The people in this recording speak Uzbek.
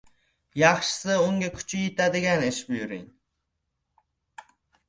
Yaxshisi unga kuchi yetadigan ish buyuring.